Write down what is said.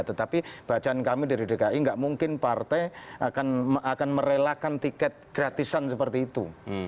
tetapi bacaan kami dari dki nggak mungkin partai akan merelakan tiket gratisan seperti itu